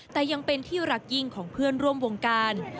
แต่ยังเป็นที่รักยิ่งของเพื่อนร่วมวงการ